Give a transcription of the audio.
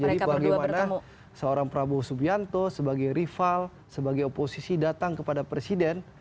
jadi bagaimana seorang prabowo subianto sebagai rival sebagai oposisi datang kepada presiden